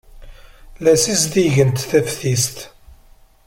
La ssizdigent taftist.